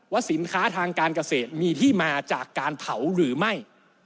สินค้าทางการเกษตรมีที่มาจากการเผาหรือไม่